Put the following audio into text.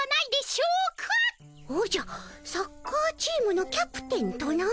おじゃサッカーチームのキャプテンとな？